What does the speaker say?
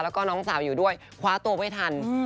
แล้วก็น้องสาวอยู่ด้วยคว้าตัวไม่ทัน